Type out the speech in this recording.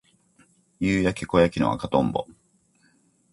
夕焼け小焼けの赤とんぼ